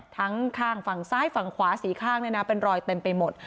ทั้งข้างฝั่งซ้ายฝั่งขวาสีข้างเนี่ยนะเป็นรอยเต็มไปหมด